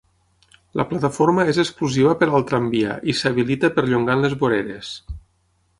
La plataforma és exclusiva per al tramvia i s'habilita perllongant les voreres.